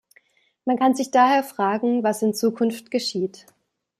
Man kann sich daher fragen, was in Zukunft geschieht.